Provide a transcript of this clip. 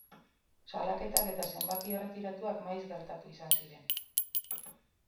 Salaketak eta zenbaki erretiratuak maiz gertatu izan ziren.